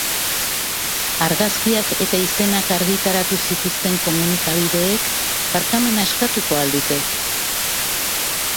Argazkiak eta izenak argitaratu zituzten komunikabideek barkamena eskatuko al dute?